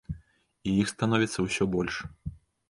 І іх становіцца ўсё больш.